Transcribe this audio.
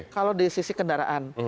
kalau di sisi kendaraan